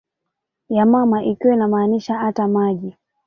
ya mama ikiwa inamaanisha ata maji